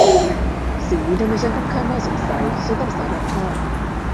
สิ่งนี้ทำให้ฉันค่อนข้างน่าสงสัยฉันต้องสารภาพ